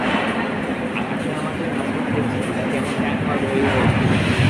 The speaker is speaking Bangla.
আর আপনি আমার যে ভাবগতি দেখেছিলেন, তা কিয়ামত কায়েম হওয়ার ভয়েই হয়েছিল।